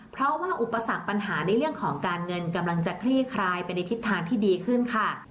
เพราะว่าอุปสรรคปัญหาในเรื่องของการเงินกำลังจะคลี่คลายไปในทิศทางที่ดีขึ้นค่ะ